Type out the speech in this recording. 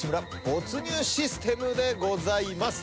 没入システムでございます。